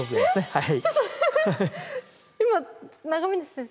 はい。